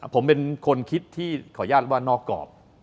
ผมเป็นคนคิดที่ขออนุญาตว่านอกกรอบ